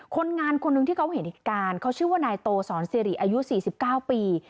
คนงานคนหนึ่งที่เขาเห็นเหตุการณ์เขาชื่อว่านายโตสอนสิริอายุ๔๙ปี